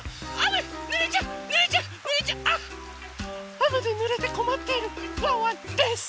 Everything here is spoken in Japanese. あめでぬれてこまっているワンワンです。